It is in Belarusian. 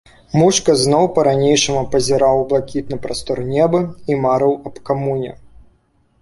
Мушка зноў па-ранейшаму пазіраў у блакітны прастор неба і марыў аб камуне.